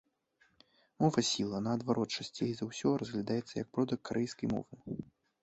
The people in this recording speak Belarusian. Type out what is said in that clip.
Мова сіла, наадварот, часцей за ўсё разглядаецца як продак карэйскай мовы.